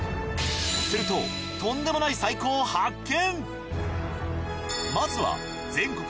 するととんでもない最高を発見！